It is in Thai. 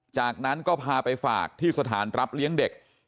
จากนั้นก็พาไปฝากที่สถานรับเลี้ยงเด็ก